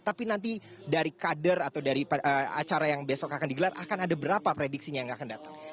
tapi nanti dari kader atau dari acara yang besok akan digelar akan ada berapa prediksinya yang akan datang